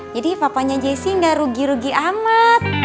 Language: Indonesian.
jadi papanya jessy gak rugi rugi amat